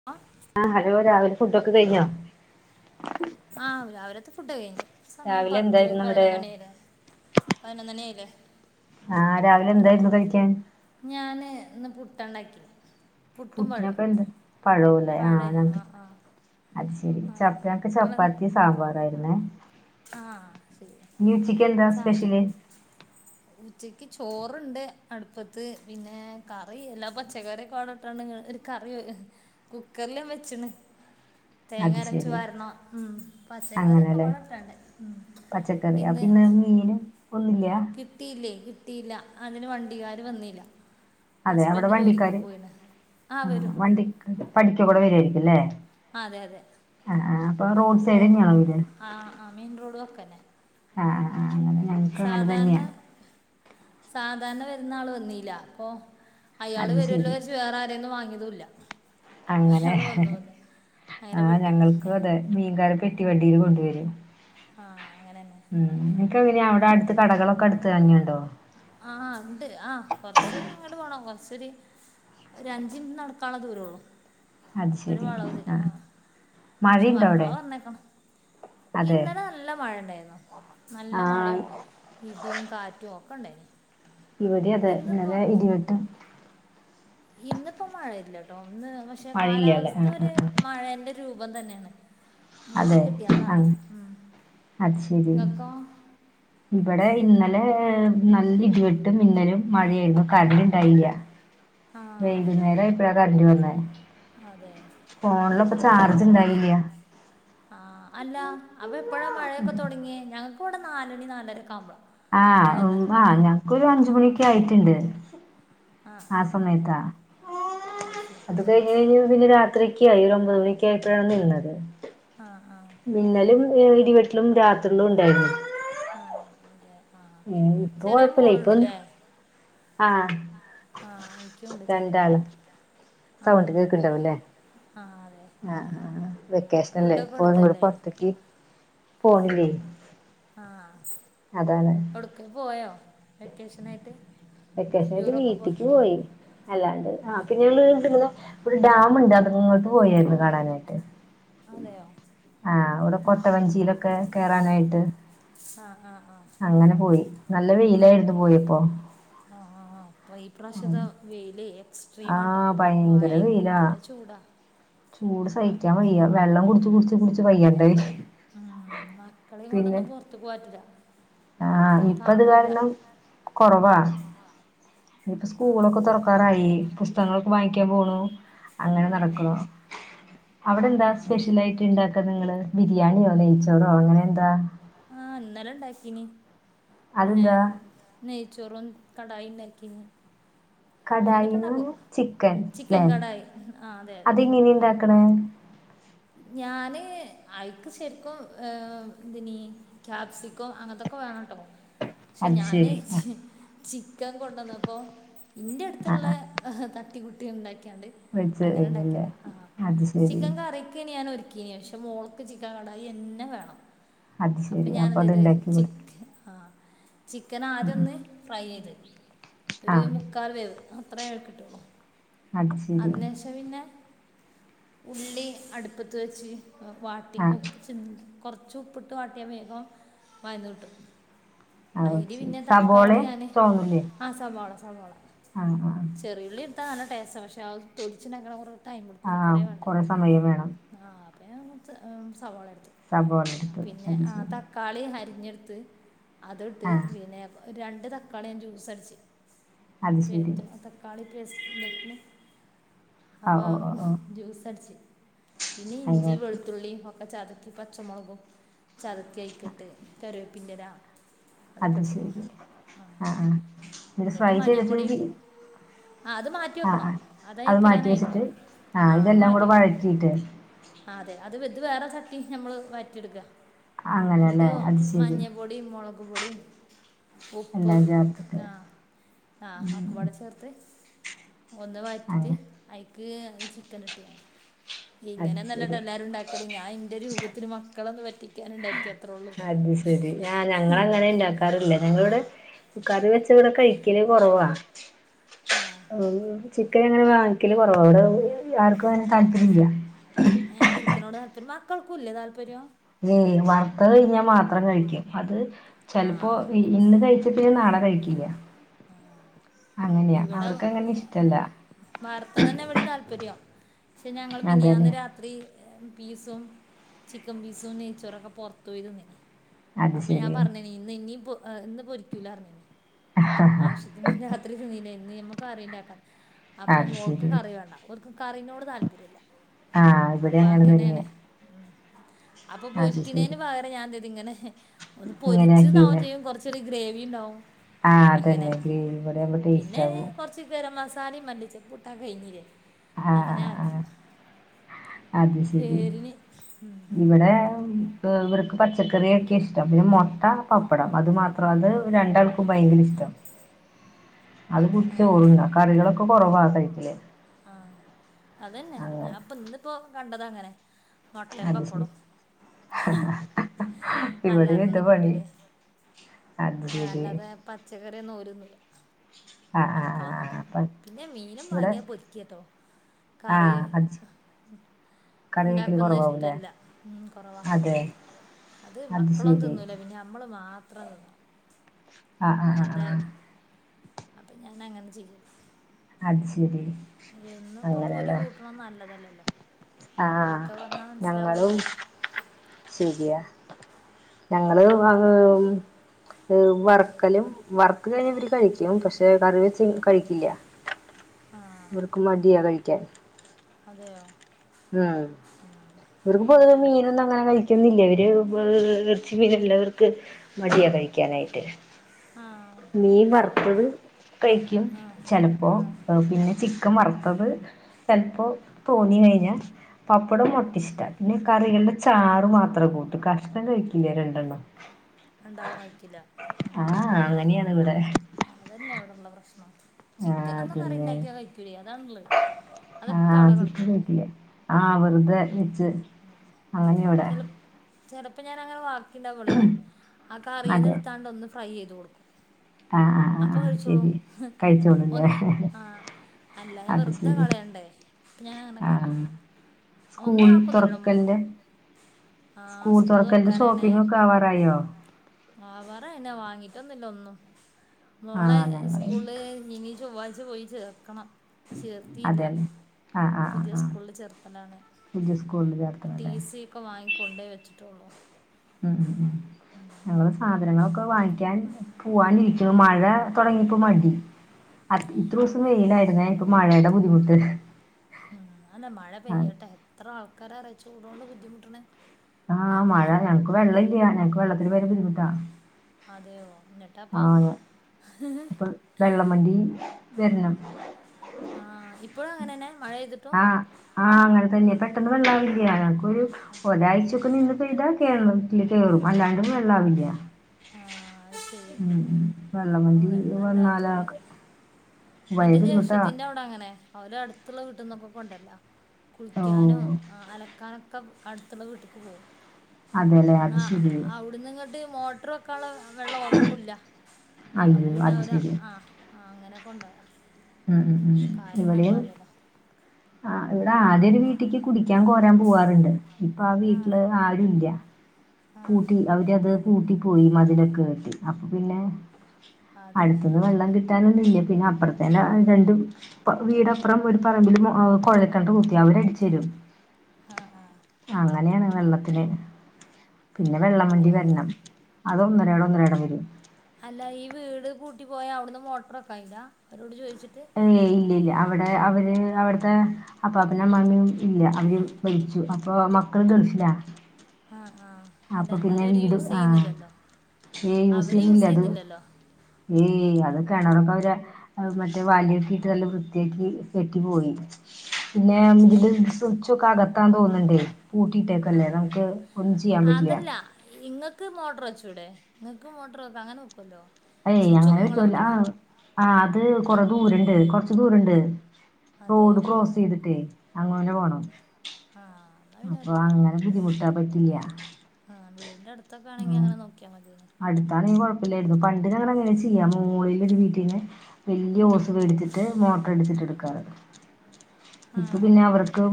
ആഹ് ആഹ് ഹലോ രാവിലെ ഫുഡൊക്കെ കഴിഞ്ഞോ? ആഹ് രാവിലത്തെ ഫുഡ് കഴിഞ്ഞ് ഇപ്പോ സമയം രാവിലെ പത്ത് എന്തായിരുന്നു അവിടെ? പതിനൊന്ന് മണി ആയില്ലേ പതിനൊന്നണിയായില്ലേ ആഹ് രാവിലെ എന്തായിരുന്നു കഴിക്കാൻ? ഞാന് ഇന്ന് പുട്ടാണ്ടാക്കിയെ പുട്ടിനപ്പ എന്താ പഴാവൂല്ലേ പഴേ ആഹ് ആ ഞങ്ങക്ക് ആ അത് ശരി ആ [unintelligible] ചപ്പാത്തി സാമ്പാറും ആയിരുന്നേ ആഹ് ശരിയാ എന്താ സാ സ്പെഷ്യല്? ഉച്ചയ്ക്ക് ചോറുണ്ട് അടുപ്പത്ത് പിന്നെ കറി എല്ലാ പച്ചക്കറിയക്കവട [unintelligible] ഒര് കറി കുക്കറില് വെച്ച്ണ് തേങ്ങ അത് അരച്ചു ശെരി പാരണം ഉം പച്ചക്കറിയൊക്കെ അങ്ങനെല്ലേ വള ഇട്ടാണ്ടെ ഉം പച്ചക്കറി അപ്പ ഇന്ന് മീന് ഒന്നില്ല കിട്ടിയില്ലേ കിട്ടിയില്ല അതിന് വണ്ടിക്കാര് വന്നീല്ല അതെ അവിടെ ഹസ്ബൻഡ് ജോലിക്കും വണ്ടിക്കാര് പോയിണ് ആ ആഹ് വരും വണ്ടിക്ക് പഠിക്ക കൂടെ വരുവായിരിക്കുല്ലേ ആ അതെ അതെ ആഹ് ആഹ് അപ്പൊ റോഡ് സൈഡെന്നെയാണോ വീട്? ആഹ് ആഹ് മെയിൻ റോഡ് വക്കെന്നെ ആഹ് ആഹ് അങ്ങനെ ഞങ്ങക്ക് അങ്ങനെ സാധാരണ തന്നെയാ സാധാരണ വരുന്ന ആള് വന്നീല്ല അപ്പൊ അയാള് അത് വെരുവല്ലോന്ന് ശെരി വിചാരിച്ച് വേറെ ആരെന്നും വാങ്ങിയതുല്ല അങ്ങനെ അങ്ങനെ ആഹ് വിട്ട് ഞങ്ങൾക്കു അതെ മീൻകാര് പെട്ടി വണ്ടിയിൽ കൊണ്ടുവരും ആ അങ്ങനെ തന്നെ ഉം നിങ്ങക്ക് എങ്ങനയാ അവിടെ അടുത്ത് കടകളൊക്കെ അടുത്ത് തന്നെയുണ്ടോ ആഹ് ഇണ്ട് ആഹ് കൊറച്ച് അങ്ങട് പോണം കൊറച്ചൊര് ഒരു അഞ്ചിനിറ്റ് നടക്കാളള ദൂരോള്ളൂ അത് ഒരു ശെരി വളവ് തിരിഞ്ഞ് ആഹ് പക്ഷെ മഴയുണ്ടോ അവിടെ? മക്കളെ പറഞ്ഞയക്കണം അതെ ഇന്നലെ നല്ല മഴ ഇണ്ടായിരുന്നു നല്ല ആഹ് മഴയും ഇടിയും കാറ്റും ഒക്കെ ഇണ്ടായിനി ഇവിടെയും അതെ നല്ല ഇടി വെട്ടും ഇന്നിപ്പോ മഴയില്ല ട്ടോ ഇന്ന് പക്ഷെ മഴയില്ലാല്ലേ കാലാവസ്ഥ ആഹ് ഒരു ആഹ് ആഹ് മഴെൻ്റെ രൂപം തന്നെയാണ് മൂടി അതെ കെട്ടിയാന്നാണ് അങ്ങ് ഉം. അത് ശരി നിങ്ങക്കോ ഇവിടെ ഇന്നലെ ഏഹ് നല്ല ഇടിവെട്ടും മിന്നലും മഴയും [unintelligible] കരണ്ട്ണ്ടായില്ല ആ വെയികുന്നേര ആയപ്പഴാ കരണ്ട് വന്നെ അതെയാ ഫോണിലപ്പ ചാർജ് ഇണ്ടായില്ല ആഹ് അല്ല അപ്പ എപ്പഴാ മഴയൊക്കെ തൊടങ്ങിയെ ഞങ്ങക്ക് ഇവിടെ നാലണി നാലരൊക്കെ ആവുമ്പളാ ആഹ് ഉം ആഹ് ഞങ്ങക്ക് ഒരു അഞ്ച് മണിയെക്കെ ആയിറ്റ്ണ്ട് ആ സമയത്താ അത് കയിഞ്ഞ് കഴിഞ്ഞു പിന്നെ രാത്രിക്കെ ആയി ഒര് ഒമ്പത് മണിയക്കെ ആയപ്പഴാണ് നിന്നത്. ആഹ് ആഹ് മിന്നലും ഏഹ് ഇടിവെട്ടലും രാത്രിലും ഉണ്ടായിരുന്നു. ആഹ അതെ ആഹ ചെറിയ മോൾണ്ട്ല്ലേ? ആഹ ആഹ എനിക്കുണ്ട് ചേറുരുമോൾ ആഹ അതെ ആഹ അതെ ആഹ ആഹ വെക്കേഷനല്ലേ ഫുഡൊക്കെ ഇപ്പൊ ഇങ്ങോടെ കൊടുത്തല്ലേ പുറത്തേക്ക് പോണില്ലേ. ആഹ അതെ അതെ ടുക്ക പോയോ വെക്കേഷന ആയിട്ട്? വെക്കേഷൻയിട്ട് വീട്ടിക്ക് പോയി അല്ലാണ്ട് ആഹ പിന്നെ ങ്ങള് ഒരു ഡാംണ്ട് അത അങ്ങോട്ട് പോയായിരുന്നു കാണാനായിട്ട്. അതെയോ ആഹ് ഇവിടെ കൊട്ടവഞ്ചിയിലൊക്കെ കേയറാനായിട്ട്. ആഹ് ആഹ് ആഹ് അങ്ങനെ പോയി നല്ല വെയിലായിരുന്നു പോയിപ്പോ ആഹ ആഹ പോയി ഇപ്രാവശ്യത വെയിൽ എക്സ്ട്രീംട്ടോ ആഹ് വെയിലാ ഭയങ്കര ചൂടാ ചൂട് സഹിക്കാൻ വയ്യ വെള്ളം കുടിച്ച് കുടിച്ച് കുടിച്ച് വയ്യണ്ടായി ഉം മക്കളെയും കൊണ്ടൊന്നും പുറത്തു പോവാറ്റില്ല. ആഹ് ഇപ്പൊ ഇത് കാരണം കൊറവാ ഇതിപ്പ ആഹ് സ്കൂളൊക്കെ തുറ ക്കറായി പുസ്തങ്ങളൊക്കെ വാങ്ങിക്കാൻ പോണു. അങ്ങനെ ആഹ് നടക്കുണ് അവിടെ എന്താ ആഹ് അതെ സ്പെഷ്യൽയിട്ട് ഇണ്ട ഒക്കെ നിങ്ങള് ബിരിയാണിയോ നയിച്ചോറോ അങ്ങനെ എന്താ? ആഹ ഇന്നലെ ഉണ്ടാക്കീനി ഏഹ അതെന്താ [unintelligible] നെയ്ചറും കടായിണ്ടക്കിനി. കടായിന്ന് പറഞ്ഞ ചിക്കൻ ചിക്കൻ ലേ കടായി ആഹ് അതെ അതെ അത്ങ്ങനെ ഇണ്ടാക്കണാ? ഞാന് ഐക്ക് ശരിക്കും ഏഹ് എന്തിനി ക്യാപ്സിക്കോ അങ്ങനത്തൊക്കെ വേണംട്ടോ. ക്ഷെ അത് ഞാനേ ശരി ആഹ് ചിക്കൻ കൊണ്ടുവന്നപ്പോ ഇന്റെ ആഹ് അടുത്തുള്ള ആഹ് തട്ടികുട്ടി ഉണ്ടാക്കിയണ്ട് വെച്ച് അങ്ങനെ കഴിഞ്ഞല്ലേ ഉണ്ടാക്കിയതാ ആഹ അത് ശരി ചിക്കൻ കറി [unintelligible] ഞാൻ ഒരുക്കിന് പക്ഷെ മോളക്ക് ചിക്കൻ കടായിന്നെ വേണം. അത് അപ്പൊ ശരി. ഞാൻ അത് എന്തത് ഇണ്ടാക്കി കൊടുത്തു. ചിക്ക ആഹ ചിക്കൻ ഉം ഉം. ആദ്യംന്ന് ഫ്രൈ ചെയ്ത് ഒരു ആഹ് മു ക്കാൽ വേവ് അത്രക്കിട്ടുള്ളൂ അത് ശരി. അതിന ശേ പിന്നെ ഉള്ളി അടുപ്പത്തു വെച്ച് വാട്ടി ആഹ് ഉപ്പു. [unintelligible] കുറച്ച് ഉപ്പിട്ട് വാട്ടിയാ വേഗം വായന്ന് കിട്ടും. അത് അയിര് ശരി. പിന്നെ തക്കള സബോളയും ഞാന് ചോന്നൂല്ലേ? ആഹ സവാള സവാള ആഹ് ആഹ്. ചെറിയുള്ളി എടുത്താ നല്ല ടേസ് ക്ഷേത് തൊലിച്ചിട്ട്ണ്ടാക്കാൻ കുറേ ടൈംടുക്കല്ലേ ആഹ് കുറെേ വേണ്ടെ?. കൊറേ സമയം വേണം ആഹ അപ്പേ [unintelligible] സവാള എടുത്തു സബോള എടുത്ത്. പിന്നെ അത് ആഹ ശരി. തക കളി അരിഞ്ഞെടുത്ത് അതി ഇട്ട് ആഹ് പിന്നെ രണ്ട് തക്കാളിയൻ ജ്യൂസ അടിച്ച് അത് ശരി. പേത്ത തക്കാളി പേസ് വ്യക്ന ഓഹ് അപ്പൊ ഓഹ് ഓഹ് ഓഹ്. ജൂസിട്ച്ചു. പിന്നെ ഇഞ്ചി അതിനകത്ത് വെളുത്തുള്ളി ഒക്കെ ചതക്കി പച്ചമുളകും ചതക്കി അയിക്കട്ട് കരുവേപ്പിന്റെല അത് ശരി ആഹ ആഹ അത് എന്നിട്ട് ഫ്രൈ മഞ്ഞൾപ്പൊടിയും ചെയ്തിട്ട് ആ അത് മാറ്റി ആഹ വെക്കണം ആഹ അത് അതിൽക്കിടാനായില്ല മാറ്റിവെച്ചിട്ട് ആഹ ഇതെല്ലാം കൂടെ വഴറ്റിയിട്ട്. ആഹ അതെ അത് വത് വേറെ തട്ടി നമ്മൾ വറ്റിയെടുക്ക ന്നിട്ട് അങ്ങനെയല്ലേ? അത് ശരി. മഞ്ഞ പൊ ഈ മൊളക്പൊടിം ഉപ്പ് എല്ലാം ചേർത്തിട്ട് ആഹ് ആഹ്ഒക്കപ്പാടെ ചേർത്ത് ഒന്ന് വയറ്റിട്ട് അങ്ങനെ. അയിക്ക്ചിക്കനിട്ട്ഞാൻ അത് ശരി. ഇങ്ങനൊന്നല്ലട്ടാഎല്ലാരുണ്ടാക്കല് ഞാന് ഇന്റെരൂപത്തില്മക്കളൊന്ന് പറ്റിക്കാന്ണ്ടാക്കിയാ അത്ശരി ആഞങ്ങള അങ്ങനെണ്ടാക്ക ക്കാറില്ലഞങ്ങിവിടെകറിവെച്ച ഇവിടെകഴിക്കല്കൊറവാ ആ ചിക്കനങ്ങനെവാങ്ങിക്കല്കൊറവ ഇവിടാർക്കുങ്ങനെതാല്പര്യല്ല്യ ഏഹ്ചിക്കനോട്താല്പര്യം മക്കൾക്കൂല്ലേ താല്പര്യം ഏഹ് വറുത്തഴിഞ്ഞാമാത്രം കഴിക്കുംഅത് ചെലപ്പോ ആ ഇന്ന്കഴിച്ചാപിന്നെനാളെകഴിക്കില്ല ആഹ് അങ്ങനെയാഅവർക്കങ്ങനെ ഇഷ്ടല്ല വാർത്തതന്നെ ഇവിടെതാല്പര്യം പക്ഷെഞങ്ങള്മിനിയാന്ന് അതെല്ലേ രാ ത്രിപീസുംചിക്കൻപീസും നെയ്ച്ചോറൊക്കെ പുറത്ത് പോയി തിന്നീനി അത് ശെരി അപ്പൊഞാൻപറഞ്ഞേനിഇന്ന്ഇനീപ്പോഇന്ന്പൊരിക്കൂലന്നർഞ്ഞേനി ആവശ്യത്തിനിരാത്രിതിന്നീലേയ്ന്ന് നമ്മുക്കറിണ്ടാക്കാം അത് അപ്പമോൾക്ക് ശെരി കറിവേണ്ട ആഹ് ഇവിടെ ഒര്ക്ക്‌കറിനോട്താല്പര്യല്ലഅപ്പൊ അങ്ങനെ അങ്ങനെയാണ് തന്നെയാ അത് ശെരി അപ്പൊപൊരിക്കണതിന്പകരം ഇങ്ങനെ ഞാൻഇതിങ്ങനെഒന്ന്പൊരിച്ച് ആക്കീല്ലേ ന്നാവുംചെയ്യും കൊറച്ച് ഒരു ഗ്രേവീണ്ടാവും ആഹ് അതെന്നെഗ്രെവിക്കൂടാവുമ്പോടേസ്റ്റവും ച്ഗരംമാസലേംമല്ലിച്ചപ്പൂട്ടകയിഞ്ഞിലെ ആഹ് ആഹ് അത് പേരിന് ശരിഇവിടെ ഇവർക്ക് പച്ചക്കറിയൊക്കെഇഷ്ടം പിന്നെമൊട്ട പപ്പടംഅത് മാത്രം അത് രണ്ടാൾക്കും ഭയങ്കരഷ്ട്ടാ ആ അത്കുട്ടിചോറുന്നകറികളൊക്കെ കൊറവാകഴിക്കല് ആഹ്അതന്നെഞാൻപ്പൊ ഇന്നിപ്പോകണ്ടതങ്ങനെ അത് ശരി അല്ലാതൊന്നും ഇവിടേംഎന്തപണി അത്ശരി അല്ലാതെപച്ചക്കറിയൊന്നുംഒരുന്നുല ആഹ് ആഹ് ആഹ് ആഹ് അപ്പൊ ഇവിടെ മക്കളോന്നുംപിന്നെമീനുംവാങ്ങിയ പൊരിക്കയട്ടോ കറി ആഹ് അത് കറി വെക്കല് കുറവാവൂല്ലേ ഇണ്ടാക്കുന്നഇഷ്ടമല്ല ഉംകൊറവാ അതെ അത് മക്കളൊന്നുംതിന്നൂലപിന്നെ നമ്മള്മാത്രംതിന്ന ആഹ് ആ ആ ആഹ് അപ്പം ഞനങ്ങനെചെയ്യും അയ്ശരി എന്നുപ്പോപൊരി കൂട്ടനൊന്നുംനല്ലതല്ലല്ലോഅവർക്കയ് പറഞ്ഞാമനസ്സിലാവൂല ശരിയാഞങ്ങള് മക്കൾ വാങ് വറക്കലുംവറുത്തകഴിഞ്ഞഇവര് കഴിക്കുംപക്ഷെകറി വെച്ച് കഴിഞ്ഞാൽ കഴിക്കില്ല ആഹ് ഇവർക്കു മടിയാകഴിക്കാൻ അതെയോ ഉം [unintelligible] അത് ശരി ന്നുംകഴിക്കുന്നില്ലഇവര് ഇറച്ചി മീനള്ളവർക്ക്മടിയാ കഴിക്കാനായിട്ട് ആഹ് ആ മീൻവറുത്തത്കഴിക്കുംചെലപ്പോ ആ പിന്നെചി ചിക്കൻവറുത്തത് ചെലപ്പോതോന്നി കഴിഞ്ഞ പപ്പടം [unintelligible] പിന്നെകറികളുടെ ചാറ്മാത്രംകൂട്ടൂ കഷ്ണം കഴിക്കില്ല രണ്ടെണ്ണം രണ്ടാളുംകഴിക്കില്ല ആഹ് അങ്ങനെയാണിവിടെ അതന്നെയ അവിടെള്ള പ്രശ്നം ചിക്കൻ ആഹ് ഒന്നും കറി പിന്നെ ഉണ്ടാക്കിയാ കഴിക്കൂല്ല അതാണല്ല അതൊക്കെ ആഹ് അവിടെ ചിക്കൻ കിടക്കും കഴിക്കില്ലേ? ആഹ് വെറുതെ വച്ച് ഉം ചെ ചെലപ്പോ ഞാനങ്ങനെ ആക്കിണ്ടബളേ ആ കറിന്ന് അതെ. എടുത്താണ്ട് ഒന്ന് ഫ്രൈ ചെയ്ത് കൊടുക്കും ആഹ് ആഹ് ആഹ് അപ്പൊ ആഹ് കഴിച്ചോളൂ ശരി കഴിച്ചോളൂല്ലേ ഒന്ന് ആഹ് അല്ലതെ അത് വെറുതെ ശരി കളയണ്ടേ അപ്പൊ ഞാൻ അങ്ങനെ ആഹ്. കാട്ടും ഒന്നും സ്കൂൾ ആക്കൊന്നില്ലട തുറക്കലിന്റെ ആഹ്‌ സ്കൂൾ സ്കൂള് തുറക്കലിന്റെ തുറക്കാനാണ് ഷോപ്പിംഗ് ഒക്കെ ആവാറായോ? ആഹ് പറ എന്ന വാങ്ങിട്ടൊന്നും ഇല്ല ഒന്നും മോളെ ആഹ് ഞങ്ങള് സ്കൂള് ഇനി ചൊവ്വാഴ് പോയി ചേർക്കണം ചേർത്തില്ല അതെന്നെ ആഹ് ആഹ് പുതിയ ആഹ് ആഹ് സ്കൂളിൽ ചേർ ആണ്‌ പുതിയ സ്കൂളിൽ ടി ചേർത്തണല്ലേ സി ഒക്കെ വാങ്ങിക്കൊണ്ടേ വെച്ചിട്ടുള്ളൂ ഉം ഉം ഞങ്ങൾ സാധനങ്ങളൊക്കെ വാങ്ങിക്കാൻ പോവാനിരിക്ക മഴ തുടങ്ങിപ്പോ മടി ഇത്രേയും ദിവസം വെയിലായിരുന്നേ ഇപ്പം മഴയുടെ ബുദ്ധിമുട്ട് ഉം അല്ല മഴ ആഹ് പെയ്യട്ടെ എത്ര ആൾക്കാരാണ് ചൂടോണ്ട് ബുദ്ധിമുട്ടണേ ഞ ആഹ് മഴ ഞം ഞങ്ങൾക്ക് വെള്ളമില്ല ഞങ്ങൾക്ക് വെള്ളത്തിന് ഭയങ്കര ബുദ്ധിമുട്ടാ അതെയോ എന്നിട്ടപ്പോ ആഹ് അപ്പൊ വെള്ളംവണ്ടി വരണം ആഹ് ഇപ്പോഴും അങ്ങനെ തന്നെ മഴ പെയ്തിട്ടും ആഹ് ആഹ് അങ്ങനെ തന്നെയെ പെട്ടെന്ന് വെള്ളാവില്ല ഞങ്ങക്കൊരു ഒരാഴ്ച നിന്ന് പെയ്താ കേറും കയറും അല്ലാണ്ട് വെള്ളാവില്ല ആഹ് ശരി ഉം ഉം ഓ വെളളംവണ്ടി വന്നാല വെള്ളല്ലാത്തത് എന്റെ ജ്യേഷഠത്തിന്റെ അവിടെ അങ്ങനെ അവര് അടുത്തുള്ള വീട്ടുന്നൊക്കെ കൊണ്ട് വരല്ല കുളിക്കാനും ഓഹ് അലക്കാനൊക്കെ അടുത്തുള്ള വീട്ട്ക്ക് പോവും അതെല്ലേ അത് എന്നാ ശരി അവിടുന്ന് ഇങ്ങോട്ട് മോട്ടറ് വെക്കാനുള്ള വെള്ളം ഓർക്കൂല്ല അപ്പൊ അയ്യോ പിന്നെ അത് അവര് ശരി ആഹ് ആഹ് അങ്ങനെ കൊണ്ടുപോയതാ ഉം ഉം ഉം ഇവിടെയും ആഹ് ഇവിടെ ആദ്യ ഒരു വീട്ടിക്ക് കുടിക്കാൻ കോരാൻ പോവാറുണ്ട് ഇപ്പൊ ആ വീട്ടില് ആഹ് ആ ഇല്ല ആഹ് പൂട്ടി അവര്ത് പൂട്ടി പോയി മതിലൊക്കെകെട്ടി അപ്പൊ പിന്നെ അത് അടുത്തന്ന് ശരി വെള്ളം കിട്ടാനൊന്നും ഇല്ല പിന്നെ അപ്പറത്തേന്ന രണ്ടും വീടപ്പുറം ഒരു പറമ്പിൽ കൊഴൽ കിണർ കുത്തി അവര് അടിച്ച് തരും ആഹ് ആഹ് അങ്ങനെയാണ് വെള്ളത്തിന് പിന്നെ വെള്ളം വണ്ടി ഓ വരണം അത് ഒന്നിരാടം ഒന്നിരാടം വരും അല്ല ഈ വീട് പൂട്ടി പോയാ അവിടുന്ന് മോട്ടറ് വെക്കയില്ല അവരോട് ചോദിച്ചിട്ട് ഏഹ് ഇല്ല ഇല്ല അവിടെ അവര് അവിടുത്തെ അപ്പാപ്പനും അമ്മാമ്മയും ഇല്ല അവര് മരിച്ചു അപ്പൊ മക്കള് ഗൾഫില ആഹ് ആഹ് അല്ല എന്തായാലും അവര് വീട് യൂസ് ആ ചെയ്യുന്നില്ലല്ലോ ഏ അവര് യൂസ് ചെയ്യുന്നില്ല അത് ചെയ്യുന്നില്ലല്ലോ ഏയ് അതൊക്കെ കിണറൊക്കെ അവര് മറ്റേ [unintelligible] ഇട്ട് നല്ല വൃത്തിയാക്കി [unintelligible] പിന്നെ ആ അത് ഇല് ശരി സുച്ചൊക്കെ അകത്താൻ തോന്നണ്ടേ പൂട്ടിട്ടേക്കല്ലേ നമുക്ക് ഒന്നും ചെയ്യാൻ പറ്റില്ല അതല്ല ഇങ്ങൾക്ക് മോട്ടർ വെച്ചുടെ നിങ്ങൾക്ക് മോട്ടർ വെക്ക അങ്ങനെ വെക്കല്ലോ ഏയ് അങ്ങനെ വെക്കല ആ [unintelligible] ആഹ അത് കൊറ ദൂരണ്ട് കൊറച്ച് ദൂരണ്ട് റോഡ് അതെയോ ക്രോസ് ചെയ്തിട്ടേ അങ്ങനെ പോണം ആ എന്നാ പിന്നെ അപ്പൊ പറ്റൂല അങ്ങനെ ബുദ്ധിമുട്ടാ പറ്റില്ല ആഹ വീടിന്റെ അടുതൊക്കെ ആണെങ്കി അങ്ങനെ നോക്കിയാ മതി അടുത്താണെ കുഴപ്പില്ലായിരുന്നു പണ്ടിങ്ങനെ ചെയ്യാമോ മോളിൽ ഇടു വീട്ടിന്നു വലിയ ഉം ഓസ് എടുത്തിട്ട് മോട്ടർ എടുത്തിട്ട എടുക്കാറ് ആ ഇപ്പം പിന്നെ അവർക്ക്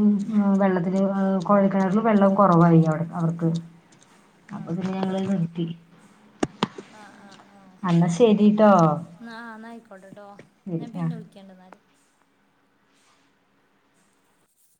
വെള്ളത്തി കോഴക്കണറിൽ വെള്ളം കുറവായി അവിടെ അവർക്ക് ആ അപ്പം അതി ഞങ്ങള് വണ്ടിട്ടി ആഹ് ആഹ് ആഹ് എന്നാ ശെരിട്ടോ എന്നാ എന്നാ ആയിക്കോട്ടെട്ടോ ഞാൻ ആ പിന്നെ വിളിക്ക എന്നാൽ